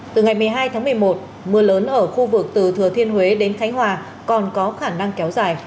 từ ngày một mươi hai tháng một mươi một mưa lớn ở khu vực từ thừa thiên huế đến khánh hòa còn có khả năng kéo dài